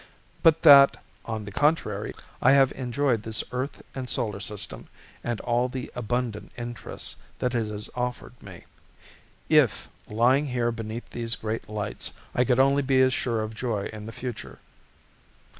but that, on the contrary, I have enjoyed this Earth and Solar System and all the abundant interests that it has offered me. If, lying here beneath these great lights, I could only be as sure of joy in the future....